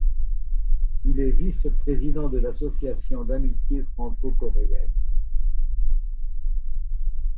Il est vice-président de l'Association d'amitié franco-coréenne.